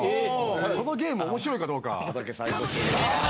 このゲーム面白いかどうか？